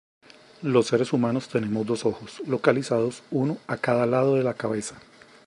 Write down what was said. Los seres humanos tenemos dos ojos, localizados uno a cada lado de la cabeza.